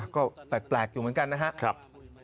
ก็แปลกอยู่เหมือนกันนะครับ